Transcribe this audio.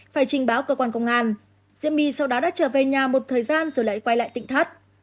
phải trình báo cơ quan công an diễm bi sau đó đã trở về nhà một thời gian rồi lại quay lại tịnh thất